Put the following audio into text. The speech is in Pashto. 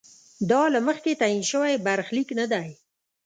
دا له مخکې تعین شوی برخلیک نه دی.